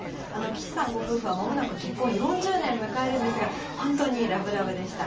岸さんご夫婦はまもなく結婚４０年を迎えるんですが、本当にラブラブでした。